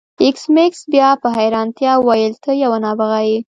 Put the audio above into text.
ایس میکس بیا په حیرانتیا وویل ته یو نابغه یې